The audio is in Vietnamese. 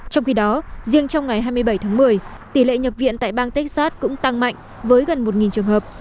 trong khi đó riêng trong ngày hai mươi bảy tháng một mươi tỷ lệ nhập viện tại bang texas cũng tăng mạnh với gần một trường hợp